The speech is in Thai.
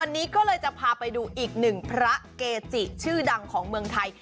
วันนี้ก็เลยจะพาไปดูอีกหนึ่งพระเกจิชื่อดังของเมืองไทย